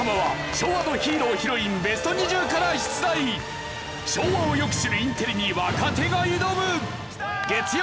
昭和をよく知るインテリに若手が挑む！